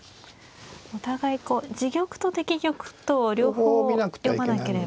お互いこう自玉と敵玉とを両方読まなければ。